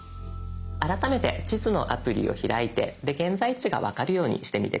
改めて地図のアプリを開いて現在地が分かるようにしてみて下さい。